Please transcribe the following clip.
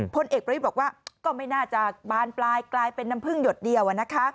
พลเอกประวิทย์บอกว่าก็ไม่น่าจะบานปลายกลายเป็นน้ำพึ่งหยดเดียว